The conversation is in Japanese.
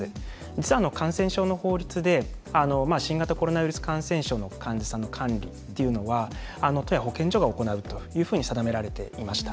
実は、感染症の法律で新型コロナウイルス感染症の患者さんの管理というのは都や保健所が行うというふうに定められていました。